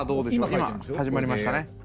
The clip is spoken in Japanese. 今始まりましたね。